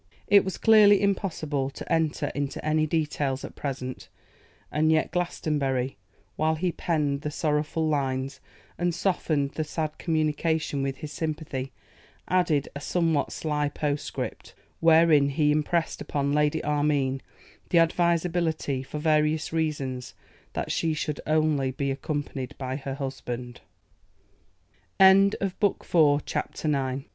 It was clearly impossible to enter into any details at present; and yet Glastonbury, while he penned the sorrowful lines, and softened the sad communication with his sympathy, added a somewhat sly postscript, wherein he impressed upon Lady Armine the advisability, for various reasons, that she should only be accompanied by her husband. CHAPTER X.